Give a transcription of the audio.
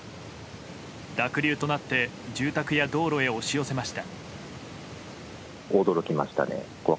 濁流となって住宅や道路へ押し寄せました。